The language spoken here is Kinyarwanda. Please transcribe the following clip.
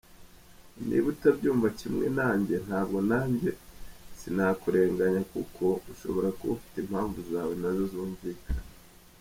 Niba utabyumva kimwe nanjye ntabwo nanjye sinakurenganya kuko ushobora kuba imapmvu zawe nazo zumvikana.